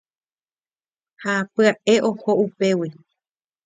ha pya'e oho upégui